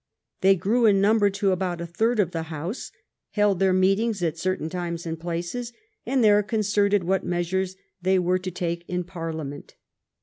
They grew in number to almost a third part of the House, held their meetings at certain times and places, and there concerted what measures they were to take in parliament.